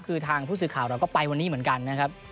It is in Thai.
คือทางผู้สื่อข่าวเราก็ไปวันนี้เหมือนกันนะครับ